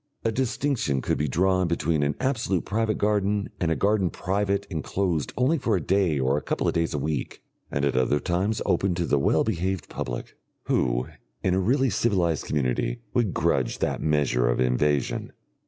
A distinction could be drawn between an absolutely private garden and a garden private and closed only for a day or a couple of days a week, and at other times open to the well behaved public. Who, in a really civilised community, would grudge that measure of invasion?